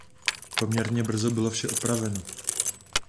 Poměrně brzo bylo vše opraveno.